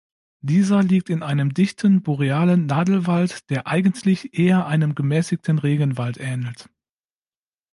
Dieser liegt in einem dichten borealen Nadelwald, der eigentlich eher einem gemäßigten Regenwald ähnelt.